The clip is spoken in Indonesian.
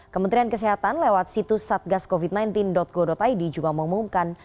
kementerian kesehatan lewat situs satgascovid sembilan belas go id juga mengumumkan